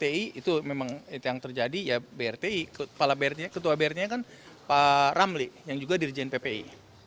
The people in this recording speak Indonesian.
bnd itu memang yang terjadi ya bnd kepala bnd ketua bnd kan pak ramli yang juga dirijen ppi